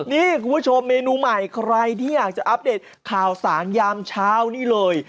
นี่คุณผู้ชมเมนูใหม่ใครที่อยากจะอัปเดตข่าวสารยามเช้านี้เลย